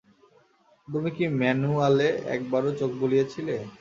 তুমি কি ম্যানুয়ালে একবারও চোখ বুলিয়েছিলে?